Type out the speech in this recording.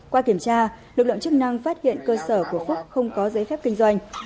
qua kiểm tra lực lượng chức năng phát hiện cơ sở của phúc không có giấy phép kinh doanh